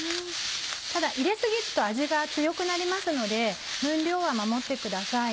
ただ入れ過ぎると味が強くなりますので分量は守ってください。